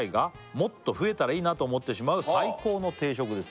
「もっと増えたらいいなと思ってしまう最高の定食です」